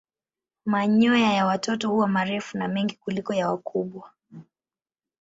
Manyoya ya watoto huwa marefu na mengi kuliko ya wakubwa.